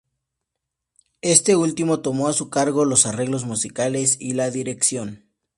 Este último tomó a su cargo los arreglos musicales y la dirección.